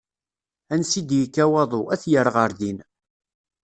Ansi i d ikka waḍu, ad t-yerr ɣer din.